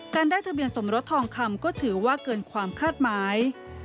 ได้ทะเบียนสมรสทองคำก็ถือว่าเกินความคาดหมาย